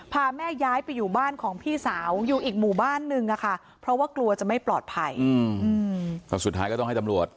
พาแม่ย้ายไปอยู่บ้านของพี่สาวอยู่อีกหมู่บ้านนึง